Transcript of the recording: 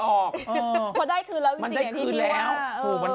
ออกวันอาทิตย์๓๐เดือน